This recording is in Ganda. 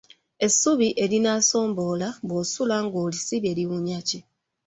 Essubi erinaasobola bw'osula ng'olisibye liwunya ki?